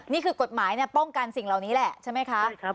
นี่คือกฎหมายป้องกันสิ่งเหล่านี้แหละใช่ไหมคะ